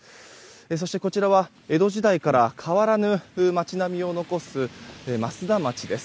そして、こちらは江戸時代から変わらぬ街並みを残す増田町です。